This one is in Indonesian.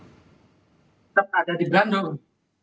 tetap ada di bandung